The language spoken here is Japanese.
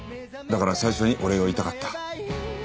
だから最初にお礼を言いたかった。